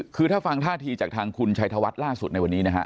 คือถ้าฟังท่าทีจากทางคุณชัยธวัฒน์ล่าสุดในวันนี้นะฮะ